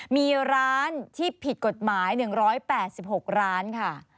มีร้านที่ผิดกฎหมาย๑๘๖ร้านค่ะ